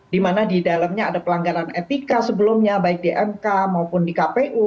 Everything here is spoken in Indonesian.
dimana di dalamnya ada pelanggaran etika sebelumnya baik di mk maupun di kpu